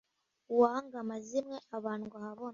uwanga amazimwe abandwa habona